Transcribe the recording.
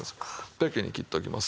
ペケに切っておきます。